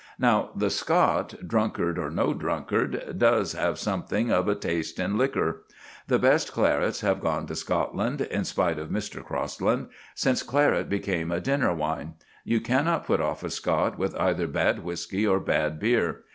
Now, the Scot, drunkard or no drunkard, does have something of a taste in liquor. The best clarets have gone to Scotland (in spite of Mr. Crosland) since claret became a dinner wine. You cannot put off a Scot with either bad whisky or bad beer.